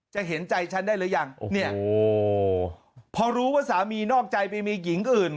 เห็นใจฉันได้หรือยังเนี่ยพอรู้ว่าสามีนอกใจไปมีหญิงอื่น